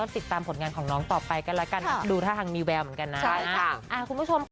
ติดตามผลงานของน้องต่อไปกันแล้วกันดูท่าทางนิวแบลเหมือนกันนะ